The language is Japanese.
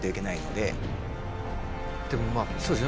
でもまあそうですよね。